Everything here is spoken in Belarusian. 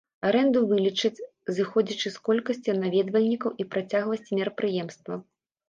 Арэнду вылічаць, зыходзячы з колькасці наведвальнікаў і працягласці мерапрыемства.